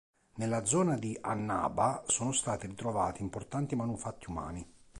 Nella zona di Annaba sono stati ritrovati importanti manufatti umani.